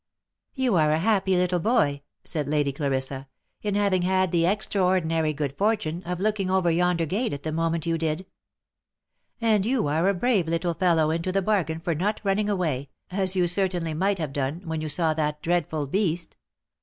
" You are a happy little boy," said Lady Clarissa, " in having had the extraordinary good fortune of looking over yonder gate at the moment you did ; and you are a brave little fellow into the bargain for not running away, as you certainly might have done, when you saw that dreadful beast.